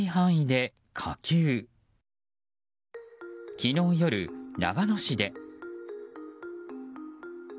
昨日夜、長野市で。